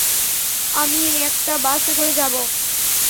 আমি একটা বাসে করে যাব।